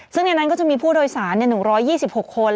ซึ่งในนั้นก็จะมีผู้โดยสาร๑๒๖คน